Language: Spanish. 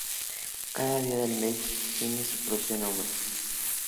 Cada día del mes tiene su propio nombre.